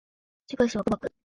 千葉市若葉区